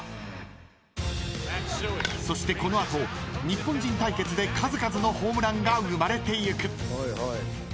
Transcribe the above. ［そしてこの後日本人対決で数々のホームランが生まれていく］